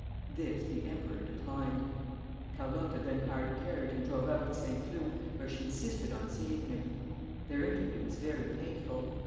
This the emperor declined. Carlotta then hired a carriage and drove out to Saint Cloud, where she insisted on seeing him. Their interview was very painful.